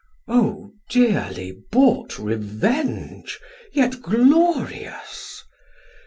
Chor: O dearly bought revenge, yet glorious!